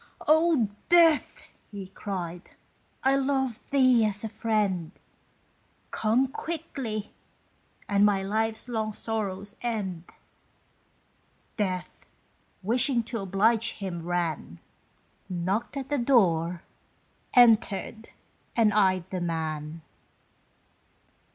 "Oh, Death!" he cried. "I love thee as a friend! Come quickly, and my life's long sorrows end!" Death, wishing to oblige him, ran, Knocked at the door, entered, and eyed the man.